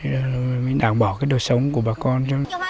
để đảm bảo cái đồ sống của bà con